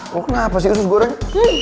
kok kenapa sih usus goreng